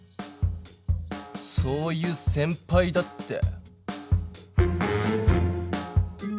そういう先ぱいだって。